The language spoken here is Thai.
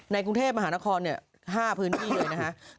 กรุงเทพมหานคร๕พื้นที่เลยนะคะ